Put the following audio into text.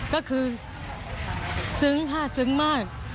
ก็คือซึ้งค่ะซึ้งมาก